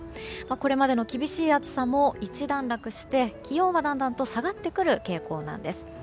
これまでの厳しい暑さも一段落して気温はだんだんと下がってくる傾向なんです。